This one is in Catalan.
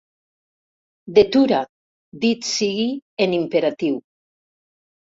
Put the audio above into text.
Detura, dit sigui en imperatiu.